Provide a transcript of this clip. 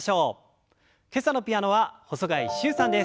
今朝のピアノは細貝柊さんです。